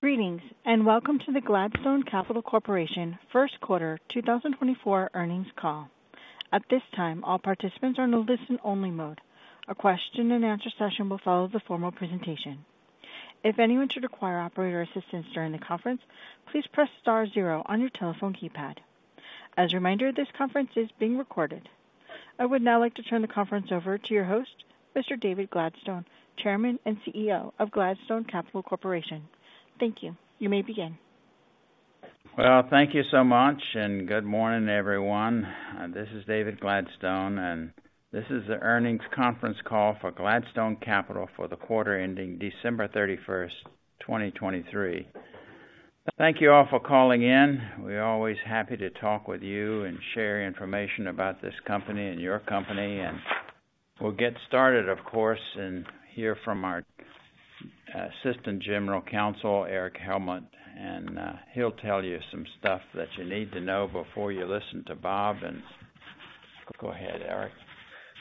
Greetings, and welcome to the Gladstone Capital Corporation first quarter 2024 earnings call. At this time, all participants are in a listen-only mode. A question and answer session will follow the formal presentation. If anyone should require operator assistance during the conference, please press star zero on your telephone keypad. As a reminder, this conference is being recorded. I would now like to turn the conference over to your host, Mr. David Gladstone, Chairman and CEO of Gladstone Capital Corporation. Thank you. You may begin. Well, thank you so much, and good morning, everyone. This is David Gladstone, and this is the earnings conference call for Gladstone Capital for the quarter ending December 31, 2023. Thank you all for calling in. We're always happy to talk with you and share information about this company and your company, and we'll get started, of course, and hear from our Assistant General Counsel, Erich Hellmuth, and he'll tell you some stuff that you need to know before you listen to Bob, and go ahead, Erich.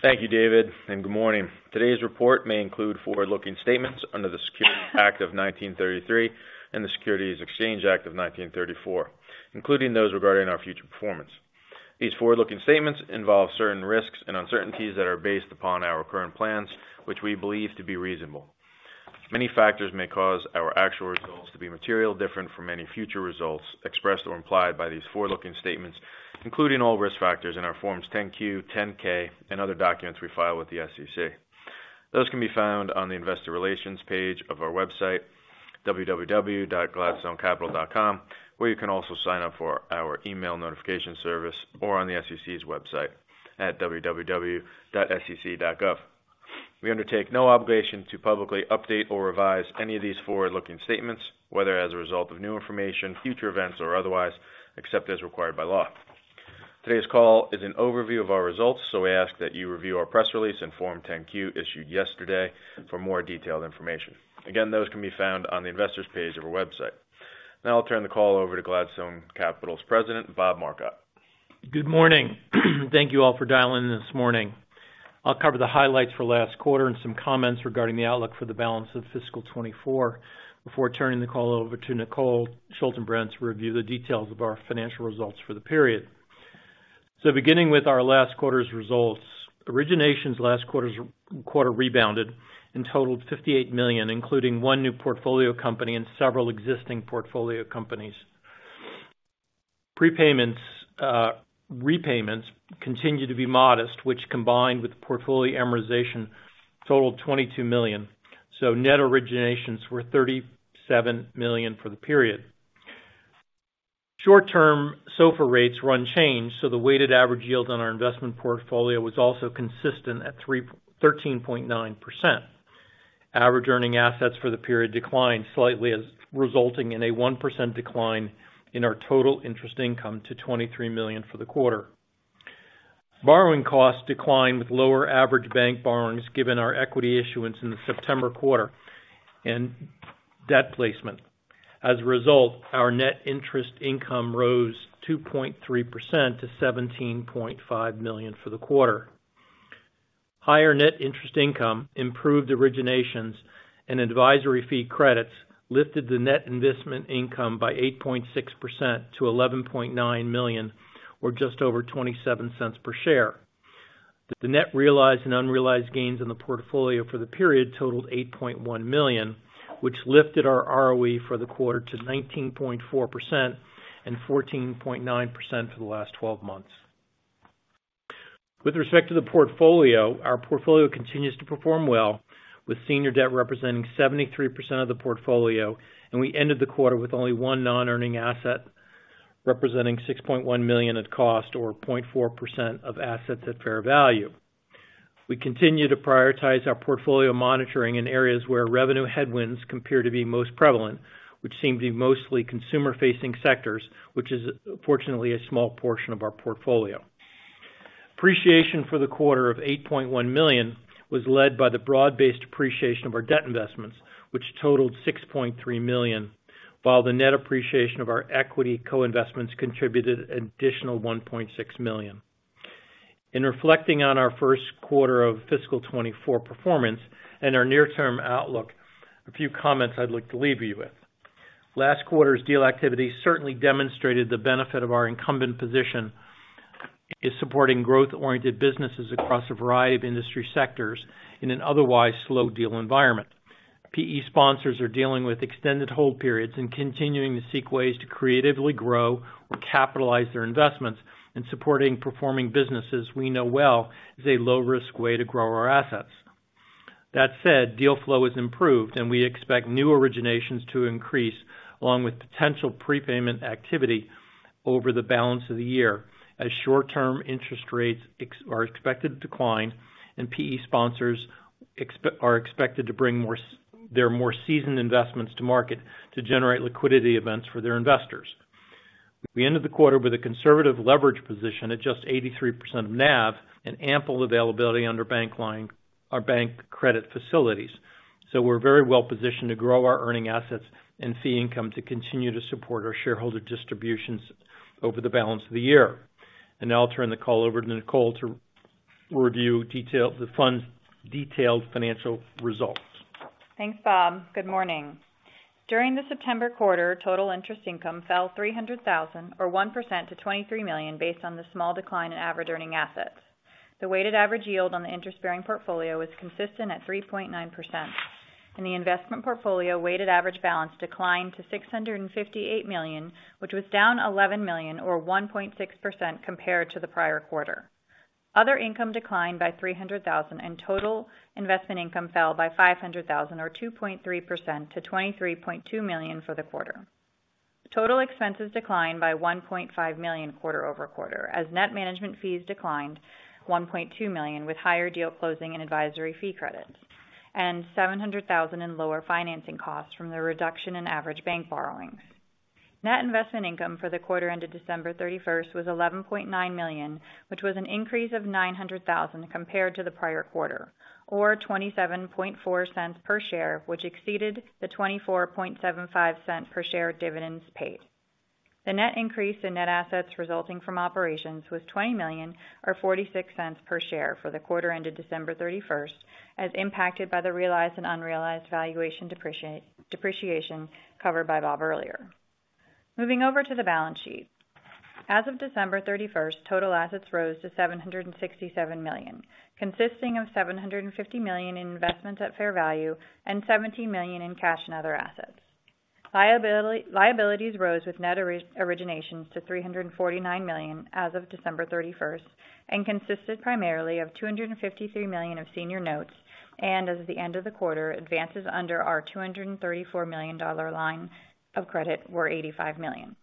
Thank you, David, and good morning. Today's report may include forward-looking statements under the Securities Act of 1933 and the Securities Exchange Act of 1934, including those regarding our future performance. These forward-looking statements involve certain risks and uncertainties that are based upon our current plans, which we believe to be reasonable. Many factors may cause our actual results to be materially different from any future results expressed or implied by these forward-looking statements, including all risk factors in our Forms 10-Q, 10-K and other documents we file with the SEC. Those can be found on the investor relations page of our website, www.gladstonecapital.com, where you can also sign up for our email notification service or on the SEC's website at www.sec.gov. We undertake no obligation to publicly update or revise any of these forward-looking statements, whether as a result of new information, future events, or otherwise, except as required by law. Today's call is an overview of our results, so we ask that you review our press release and Form 10-Q, issued yesterday, for more detailed information. Again, those can be found on the investors page of our website. Now I'll turn the call over to Gladstone Capital's president, Bob Marcotte. Good morning. Thank you all for dialing in this morning. I'll cover the highlights for last quarter and some comments regarding the outlook for the balance of fiscal 2024, before turning the call over to Nicole Schaltenbrand, to review the details of our financial results for the period. Beginning with our last quarter's results, originations last quarter rebounded and totaled $58 million, including one new portfolio company and several existing portfolio companies. Prepayments, repayments continue to be modest, which, combined with portfolio amortization, totaled $22 million. Net originations were $37 million for the period. Short-term SOFR rates were unchanged, so the weighted average yield on our investment portfolio was also consistent at 13.9%. Average earning assets for the period declined slightly, resulting in a 1% decline in our total interest income to $23 million for the quarter. Borrowing costs declined with lower average bank borrowings, given our equity issuance in the September quarter and debt placement. As a result, our net interest income rose 2.3% to $17.5 million for the quarter. Higher net interest income, improved originations and advisory fee credits lifted the net investment income by 8.6% to $11.9 million, or just over $0.27 per share. The net realized and unrealized gains in the portfolio for the period totaled $8.1 million, which lifted our ROE for the quarter to 19.4% and 14.9% for the last twelve months. With respect to the portfolio, our portfolio continues to perform well, with senior debt representing 73% of the portfolio, and we ended the quarter with only one non-earning asset, representing $6.1 million at cost, or 0.4% of assets at fair value. We continue to prioritize our portfolio monitoring in areas where revenue headwinds appear to be most prevalent, which seem to be mostly consumer-facing sectors, which is fortunately a small portion of our portfolio. Appreciation for the quarter of $8.1 million was led by the broad-based appreciation of our debt investments, which totaled $6.3 million, while the net appreciation of our equity co-investments contributed an additional $1.6 million. In reflecting on our first quarter of fiscal 2024 performance and our near-term outlook, a few comments I'd like to leave you with. Last quarter's deal activity certainly demonstrated the benefit of our incumbent position in supporting growth-oriented businesses across a variety of industry sectors in an otherwise slow deal environment. PE sponsors are dealing with extended hold periods and continuing to seek ways to creatively grow or capitalize their investments. In supporting performing businesses we know well is a low-risk way to grow our assets. That said, deal flow has improved, and we expect new originations to increase, along with potential prepayment activity over the balance of the year, as short-term interest rates are expected to decline and PE sponsors are expected to bring more of their more seasoned investments to market to generate liquidity events for their investors. We ended the quarter with a conservative leverage position at just 83% of NAV and ample availability under bank line. Our bank credit facilities. So we're very well positioned to grow our earning assets and fee income to continue to support our shareholder distributions over the balance of the year. Now I'll turn the call over to Nicole to review detail, the fund's detailed financial results. Thanks, Bob. Good morning. During the September quarter, total interest income fell $300,000, or 1% to $23 million, based on the small decline in average earning assets. The weighted average yield on the interest-bearing portfolio was consistent at 3.9%, and the investment portfolio weighted average balance declined to $658 million, which was down $11 million or 1.6% compared to the prior quarter. Other income declined by $300,000, and total investment income fell by $500,000 or 2.3% to $23.2 million for the quarter. Total expenses declined by $1.5 million quarter-over-quarter, as net management fees declined $1.2 million, with higher deal closing and advisory fee credits, and $700,000 in lower financing costs from the reduction in average bank borrowings. Net investment income for the quarter ended December 31st was $11.9 million, which was an increase of $900,000 compared to the prior quarter, or $0.274 per share, which exceeded the $0.2475 per share dividends paid. The net increase in net assets resulting from operations was $20 million or $0.46 per share for the quarter ended December 31st, as impacted by the realized and unrealized valuation depreciation covered by Bob earlier. Moving over to the balance sheet. As of December 31st, total assets rose to $767 million, consisting of $750 million in investments at fair value and $17 million in cash and other assets. Liabilities rose with net originations to $349 million as of December 31, and consisted primarily of $253 million of senior notes, and as of the end of the quarter, advances under our $234 million line of credit were $85 million.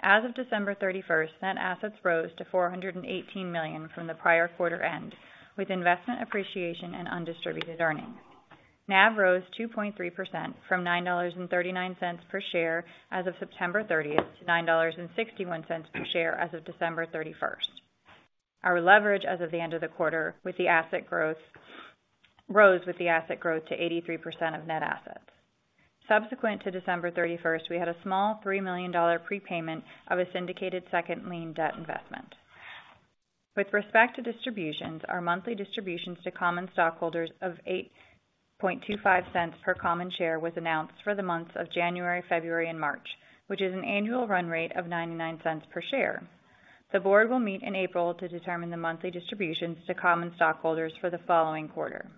As of December 31, net assets rose to $418 million from the prior quarter end, with investment appreciation and undistributed earnings. NAV rose 2.3% from $9.39 per share as of September 30, to $9.61 per share as of December 31. Our leverage as of the end of the quarter, with the asset growth, rose with the asset growth to 83% of net assets. Subsequent to December 31, we had a small $3 million prepayment of a syndicated second lien debt investment. With respect to distributions, our monthly distributions to common stockholders of 8.25 cents per common share was announced for the months of January, February, and March, which is an annual run rate of 99 cents per share. The board will meet in April to determine the monthly distributions to common stockholders for the following quarter.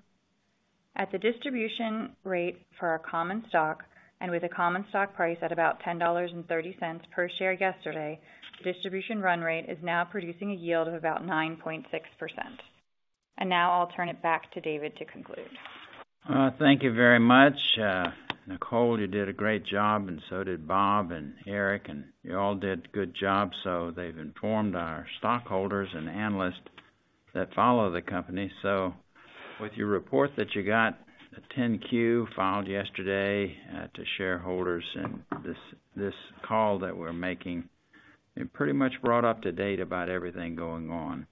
At the distribution rate for our common stock, and with a common stock price at about $10.30 per share yesterday, the distribution run rate is now producing a yield of about 9.6%. And now I'll turn it back to David to conclude. Thank you very much, Nicole, you did a great job, and so did Bob and Erich, and you all did a good job. So they've informed our stockholders and analysts that follow the company. So with your report that you got, the 10-Q filed yesterday, to shareholders and this, this call that we're making, you're pretty much brought up to date about everything going on.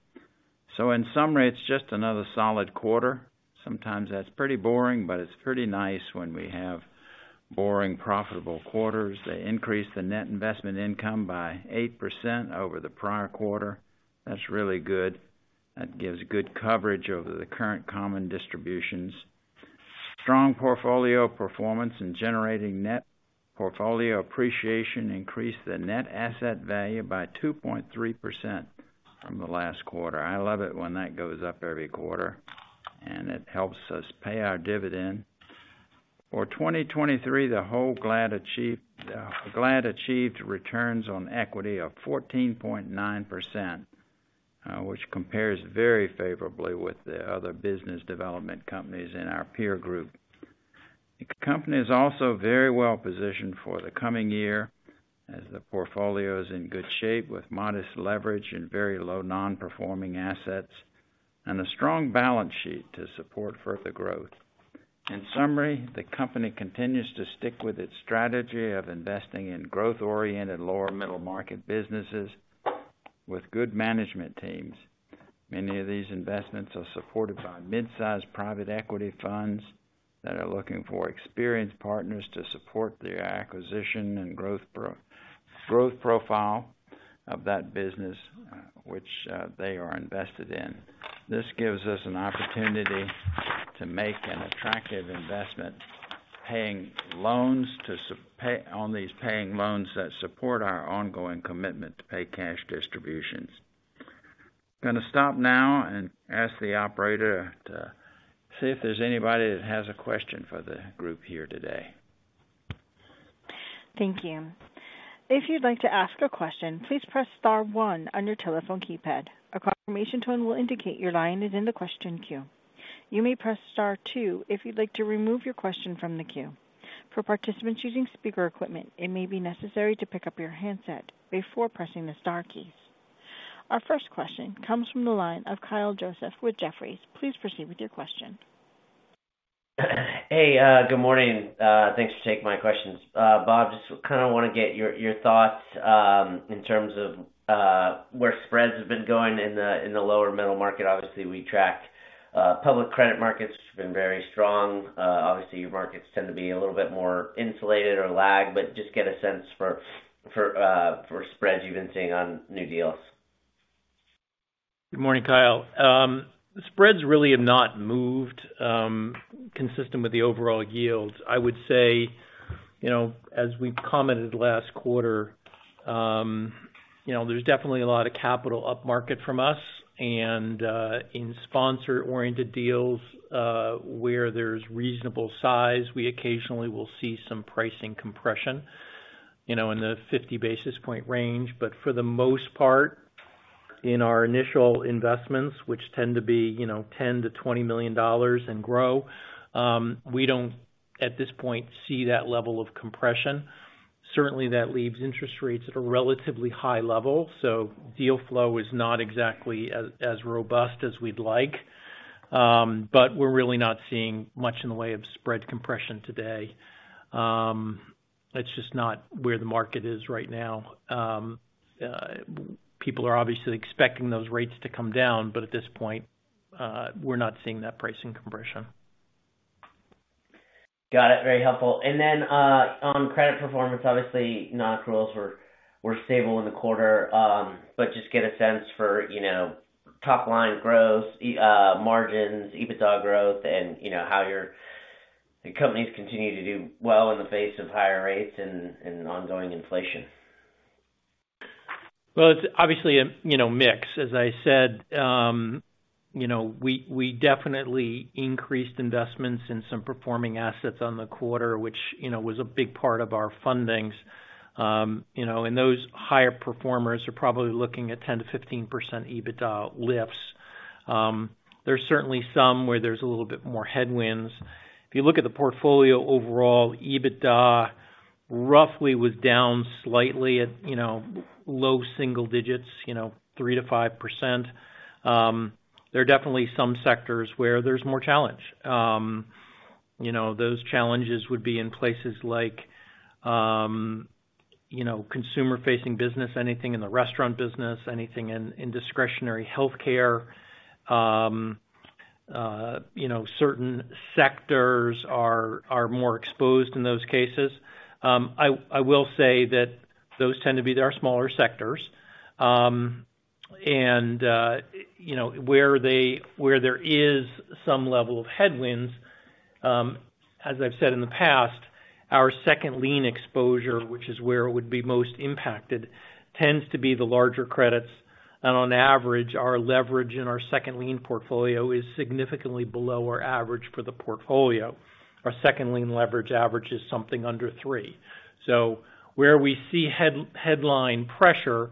So in summary, it's just another solid quarter. Sometimes that's pretty boring, but it's pretty nice when we have boring, profitable quarters. They increased the net investment income by 8% over the prior quarter. That's really good. That gives good coverage over the current common distributions. Strong portfolio performance and generating net portfolio appreciation increased the net asset value by 2.3% from the last quarter. I love it when that goes up every quarter, and it helps us pay our dividend. For 2023, the whole GLAD achieved GLAD achieved returns on equity of 14.9%, which compares very favorably with the other business development companies in our peer group. The company is also very well positioned for the coming year, as the portfolio is in good shape, with modest leverage and very low non-performing assets, and a strong balance sheet to support further growth. In summary, the company continues to stick with its strategy of investing in growth-oriented, lower middle-market businesses with good management teams. Many of these investments are supported by mid-sized private equity funds that are looking for experienced partners to support their acquisition and growth profile of that business, which they are invested in. This gives us an opportunity to make an attractive investment, paying loans to support payments on these paying loans that support our ongoing commitment to pay cash distributions. I'm going to stop now and ask the operator to see if there's anybody that has a question for the group here today. Thank you. If you'd like to ask a question, please press star one on your telephone keypad. A confirmation tone will indicate your line is in the question queue. You may press star two if you'd like to remove your question from the queue. For participants using speaker equipment, it may be necessary to pick up your handset before pressing the star keys. Our first question comes from the line of Kyle Joseph with Jefferies. Please proceed with your question. Hey, good morning. Thanks for taking my questions. Bob, just kind of want to get your, your thoughts, in terms of, where spreads have been going in the, in the lower middle market. Obviously, we track, public credit markets, which have been very strong. Obviously, your markets tend to be a little bit more insulated or lag, but just get a sense for, for, for spreads you've been seeing on new deals. Good morning, Kyle. Spreads really have not moved consistent with the overall yields. I would say, you know, as we commented last quarter, you know, there's definitely a lot of capital upmarket from us, and in sponsor-oriented deals where there's reasonable size, we occasionally will see some pricing compression, you know, in the 50 basis points range. But for the most part, in our initial investments, which tend to be, you know, $10 million-$20 million and grow, we don't, at this point, see that level of compression. Certainly, that leaves interest rates at a relatively high level, so deal flow is not exactly as robust as we'd like. But we're really not seeing much in the way of spread compression today. That's just not where the market is right now. People are obviously expecting those rates to come down, but at this point, we're not seeing that pricing compression. Got it. Very helpful. And then, on credit performance, obviously, non-accruals were stable in the quarter. But just get a sense for, you know, top line growth, margins, EBITDA growth, and, you know, how your companies continue to do well in the face of higher rates and ongoing inflation. Well, it's obviously a, you know, mix. As I said, you know, we definitely increased investments in some performing assets on the quarter, which, you know, was a big part of our fundings. You know, and those higher performers are probably looking at 10%-15% EBITDA lifts. There's certainly some where there's a little bit more headwinds. If you look at the portfolio overall, EBITDA roughly was down slightly at, you know, low single digits, you know, 3%-5%. There are definitely some sectors where there's more challenge. You know, those challenges would be in places like, you know, consumer-facing business, anything in the restaurant business, anything in discretionary healthcare. You know, certain sectors are more exposed in those cases. I will say that those tend to be our smaller sectors. You know, where there is some level of headwinds, as I've said in the past, our second lien exposure, which is where it would be most impacted, tends to be the larger credits. On average, our leverage in our second lien portfolio is significantly below our average for the portfolio. Our second lien leverage average is something under three. So where we see headline pressure,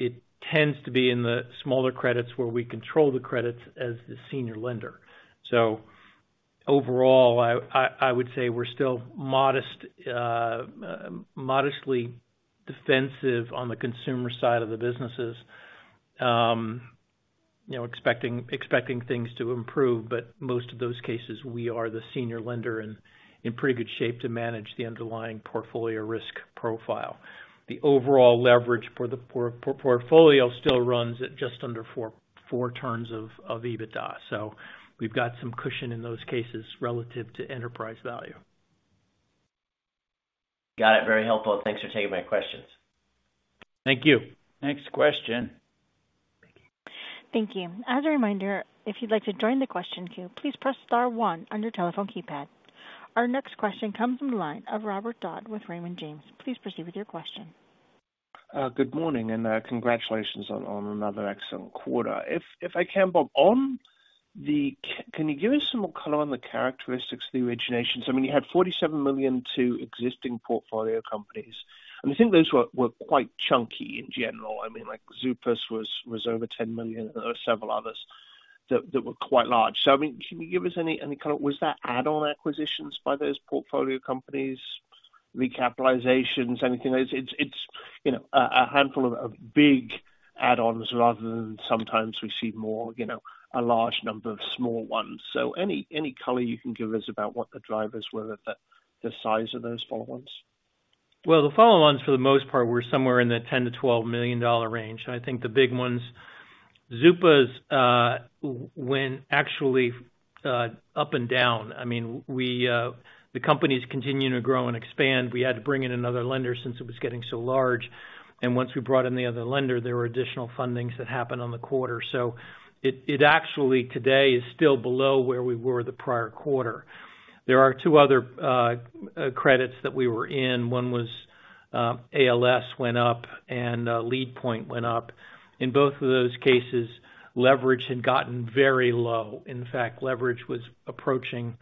it tends to be in the smaller credits where we control the credits as the senior lender. So overall, I would say we're still modestly defensive on the consumer side of the businesses. You know, expecting things to improve, but most of those cases, we are the senior lender and in pretty good shape to manage the underlying portfolio risk profile. The overall leverage for the portfolio still runs at just under four turns of EBITDA. So we've got some cushion in those cases relative to enterprise value. Got it. Very helpful. Thanks for taking my questions. Thank you. Next question. Thank you. As a reminder, if you'd like to join the question queue, please press star one on your telephone keypad. Our next question comes from the line of Robert Dodd with Raymond James. Please proceed with your question. Good morning, and congratulations on another excellent quarter. If I can, Bob, can you give us some more color on the characteristics of the originations? I mean, you had $47 million to existing portfolio companies, and I think those were quite chunky in general. I mean, like, Zupas was over $10 million, or several others that were quite large. So, I mean, can you give us any kind of was that add-on acquisitions by those portfolio companies, recapitalizations, anything? It's you know, a handful of big add-ons, rather than sometimes we see more, you know, a large number of small ones. So any color you can give us about what the drivers were that, the size of those follow-ons? Well, the follow-ons, for the most part, were somewhere in the $10 million-$12 million range. I think the big ones, Zupas, when actually, up and down. I mean, we, the company's continuing to grow and expand. We had to bring in another lender since it was getting so large, and once we brought in the other lender, there were additional fundings that happened on the quarter. So it, it actually today is still below where we were the prior quarter. There are two other credits that we were in. One was ALS went up and, Leadpoint went up. In both of those cases, leverage had gotten very low. In fact, leverage was approaching,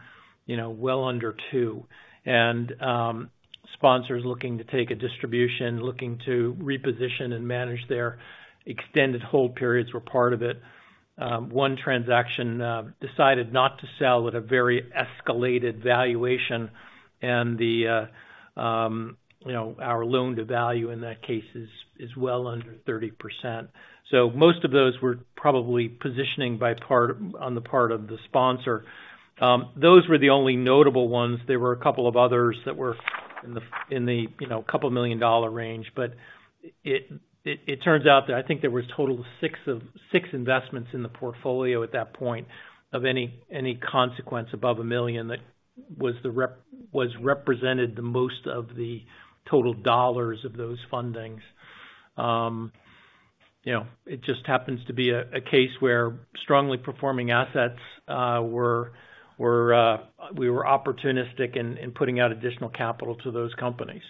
you know, well under 2. And, sponsors looking to take a distribution, looking to reposition and manage their extended hold periods were part of it. One transaction decided not to sell at a very escalated valuation, and the, you know, our loan-to-value in that case is well under 30%. So most of those were probably positioning by part on the part of the sponsor. Those were the only notable ones. There were a couple of others that were in the, you know, couple $1 million range. But it turns out that I think there was a total of six investments in the portfolio at that point of any consequence above $1 million, that was represented the most of the total dollars of those fundings. You know, it just happens to be a case where strongly performing assets were we were opportunistic in putting out additional capital to those companies.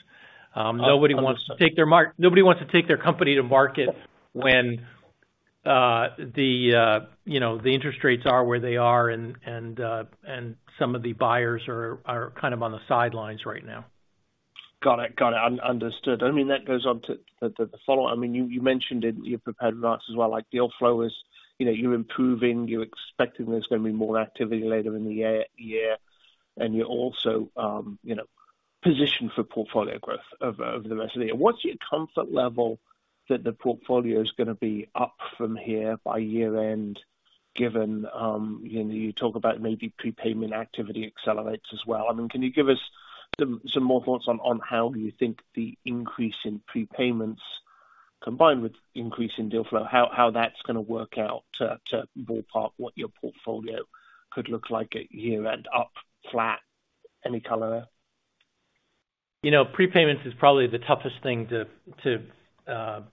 Nobody wants to take their company to market when, you know, the interest rates are where they are and some of the buyers are kind of on the sidelines right now. Got it. Got it. Understood. I mean, that goes on to the follow up. I mean, you mentioned it in your prepared remarks as well, like deal flow is, you know, you're improving, you're expecting there's going to be more activity later in the year. And you're also, you know, positioned for portfolio growth over the rest of the year. What's your comfort level that the portfolio is gonna be up from here by year end, given, you know, you talk about maybe prepayment activity accelerates as well? I mean, can you give us some more thoughts on how you think the increase in prepayments, combined with increase in deal flow, how that's gonna work out to ballpark what your portfolio could look like at year end, up, flat? Any color? You know, prepayments is probably the toughest thing to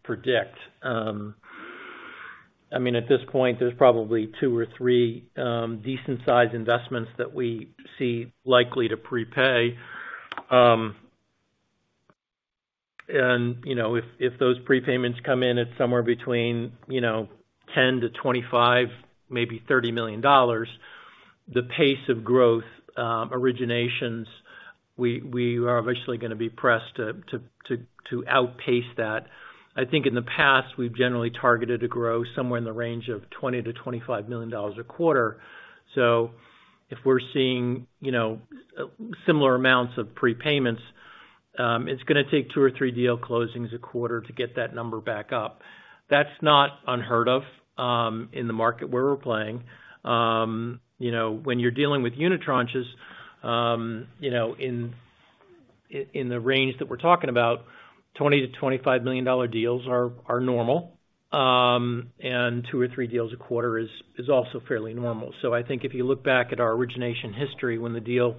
predict. I mean, at this point, there's probably two or three decent sized investments that we see likely to prepay. You know, if those prepayments come in at somewhere between, you know, $10-$25 million, maybe $30 million, the pace of growth originations, we are eventually gonna be pressed to outpace that. I think in the past, we've generally targeted to grow somewhere in the range of $20-$25 million a quarter. So if we're seeing, you know, similar amounts of prepayments, it's gonna take two or three deal closings a quarter to get that number back up. That's not unheard of in the market where we're playing. You know, when you're dealing with unitranches, you know, in the range that we're talking about, $20-$25 million deals are normal. And 2 or 3 deals a quarter is also fairly normal. So I think if you look back at our origination history, when the deal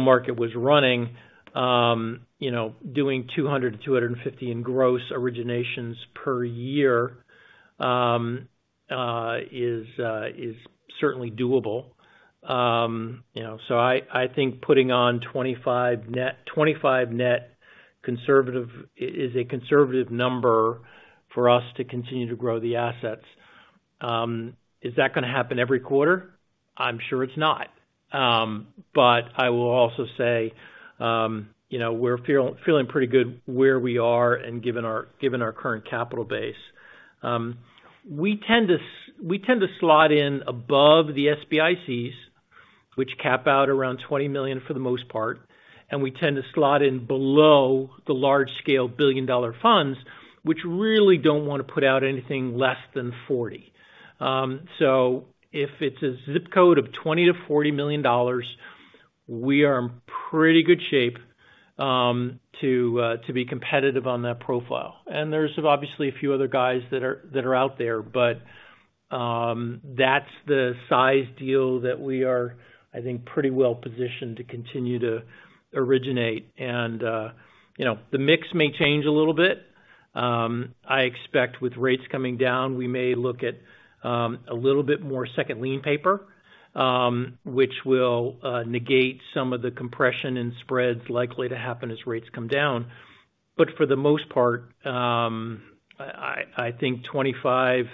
market was running, you know, doing $200-$250 million in gross originations per year is certainly doable. You know, so I think putting on $25 million net, $25 million net conservative is a conservative number for us to continue to grow the assets. Is that gonna happen every quarter? I'm sure it's not. But I will also say, you know, we're feeling pretty good where we are, and given our current capital base. We tend to slot in above the SBICs, which cap out around $20 million for the most part, and we tend to slot in below the large scale billion-dollar funds, which really don't wanna put out anything less than 40. So if it's a zip code of $20-$40 million, we are in pretty good shape to be competitive on that profile. And there's obviously a few other guys that are out there, but that's the size deal that we are, I think, pretty well positioned to continue to originate. And you know, the mix may change a little bit. I expect with rates coming down, we may look at a little bit more second lien paper, which will negate some of the compression and spreads likely to happen as rates come down. But for the most part, I think ±25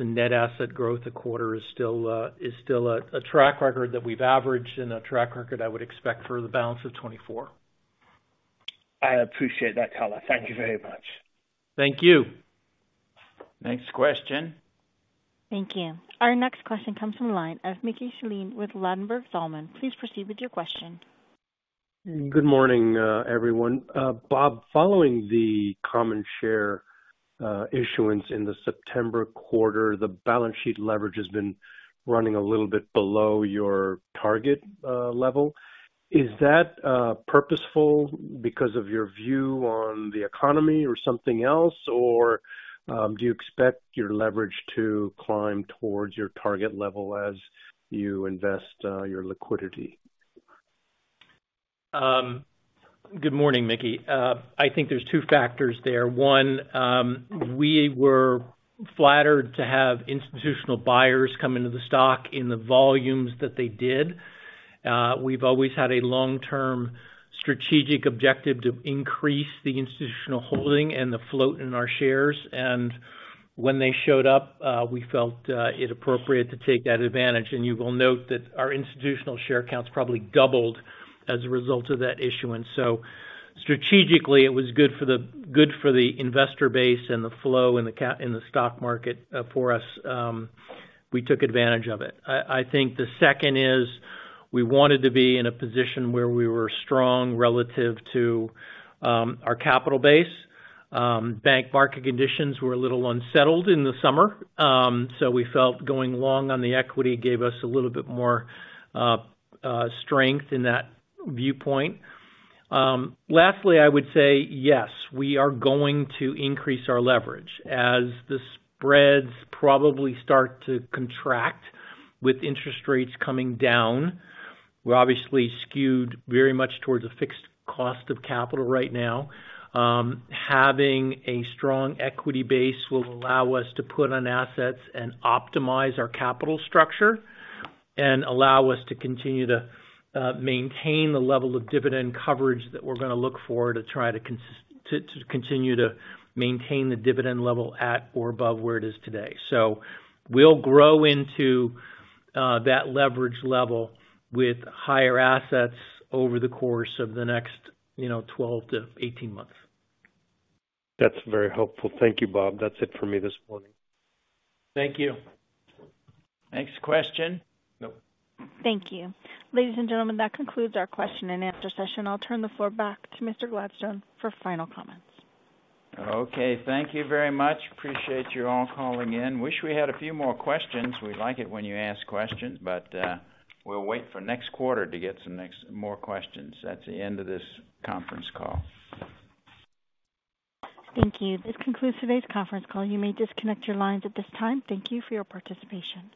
in net asset growth a quarter is still a track record that we've averaged and a track record I would expect for the balance of 2024. I appreciate that, [Tyler]. Thank you very much. Thank you. Next question. Thank you. Our next question comes from the line of Mickey Schleien with Ladenburg Thalmann. Please proceed with your question. Good morning, everyone. Bob, following the common share issuance in the September quarter, the balance sheet leverage has been running a little bit below your target level. Is that purposeful because of your view on the economy or something else? Or, do you expect your leverage to climb towards your target level as you invest your liquidity? Good morning, Mickey. I think there's two factors there. One, we were flattered to have institutional buyers come into the stock in the volumes that they did. We've always had a long-term strategic objective to increase the institutional holding and the float in our shares, and when they showed up, we felt it appropriate to take that advantage. And you will note that our institutional share counts probably doubled as a result of that issuance. So strategically, it was good for the investor base and the flow in the stock market for us. We took advantage of it. I think the second is, we wanted to be in a position where we were strong relative to our capital base. Bank market conditions were a little unsettled in the summer, so we felt going along on the equity gave us a little bit more strength in that viewpoint. Lastly, I would say, yes, we are going to increase our leverage as the spreads probably start to contract with interest rates coming down. We're obviously skewed very much towards a fixed cost of capital right now. Having a strong equity base will allow us to put on assets and optimize our capital structure, and allow us to continue to maintain the level of dividend coverage that we're gonna look for to try to continue to maintain the dividend level at or above where it is today. So we'll grow into that leverage level with higher assets over the course of the next, you know, 12-18 months. That's very helpful. Thank you, Bob. That's it for me this morning. Thank you. Next question? Nope. Thank you. Ladies and gentlemen, that concludes our question and answer session. I'll turn the floor back to Mr. Gladstone for final comments. Okay, thank you very much. Appreciate you all calling in. Wish we had a few more questions. We like it when you ask questions, but we'll wait for next quarter to get some more questions. That's the end of this conference call. Thank you. This concludes today's conference call. You may disconnect your lines at this time. Thank you for your participation.